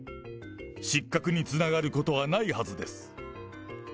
失格につながることはないはずです。